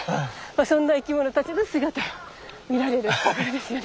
そんな生き物たちの姿を見られる感じですよね。